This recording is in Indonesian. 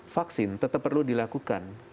vaksin tetap perlu dilakukan